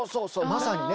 まさにね。